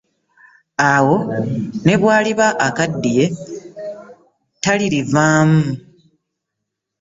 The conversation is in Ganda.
Awo ne bw'aliba akaddiye, talirivaamu.